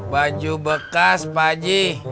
baju bekas pak haji